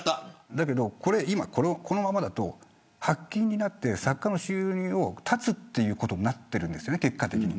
だけど、このままだと発禁になって作家の収入を絶つということになってるんです、結果的に。